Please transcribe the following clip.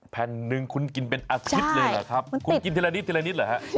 แผ่นหนึ่งคุณกินเป็นอาทิตย์เลยเหรอครับคุณกินทีละนิดหรือฮะใช่มันติด